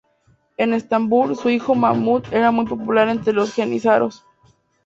En Estambul, su hijo Mahmud era muy popular entre los jenízaros.